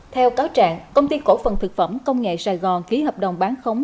theo cáo trạng công ty cổ phần thực phẩm công nghệ sài gòn ký hợp đồng bán khống